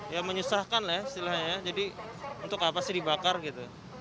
ya menyusahkan lah istilahnya ya jadi untuk apa sih dibakar gitu